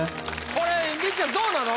これみっちゃんどうなの？